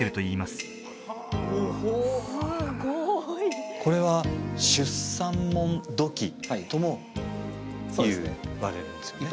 すごいこれは出産文土器ともいわれるんですよね？